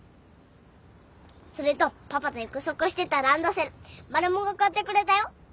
それとパパと約束してたランドセルマルモが買ってくれたよ。